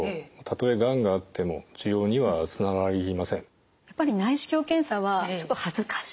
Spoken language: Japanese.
ただやっぱり内視鏡検査はちょっと恥ずかしいとか。